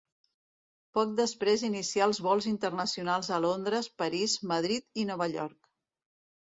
Poc després inicià els vols internacionals a Londres, París, Madrid i Nova York.